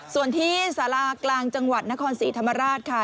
ส่วนที่สารากลางจังหวัดนครศรีธรรมราชค่ะ